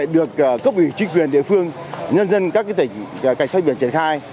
được cấp ủy chính quyền địa phương nhân dân các tỉnh cảnh sát biển triển khai